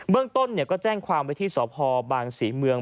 เบื้องต้นเนี่ยก็แจ้งความไปที่สพบางศรีเมือง